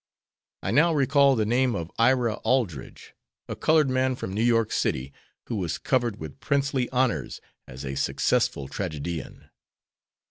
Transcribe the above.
I now recall the name of Ira Aldridge, a colored man from New York City, who was covered with princely honors as a successful tragedian.